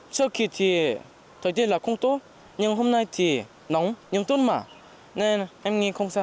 trước kia thì thời tiết là không tốt nhưng hôm nay thì nóng nhưng tốt mà nên em nghĩ không sao